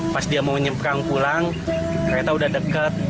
pas dia mau nyemprang pulang kereta sudah dekat